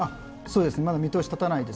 まだ見通し立たないですね。